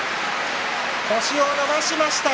星を伸ばしました。